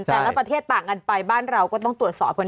แต่ละประเทศต่างกันไปบ้านเราก็ต้องตรวจสอบกัน